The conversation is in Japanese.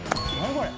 これ。